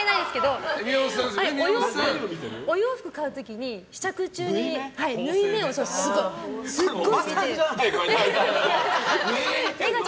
お洋服買う時に試着中に縫い目をすっごい見て。